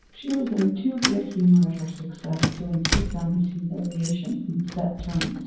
She was in too good humor at her success to insist on his humiliation in set terms.